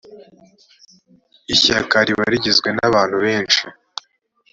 ishyaka riba rigizwe nabantu beshi.